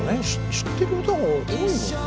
知ってる歌が多いもんね。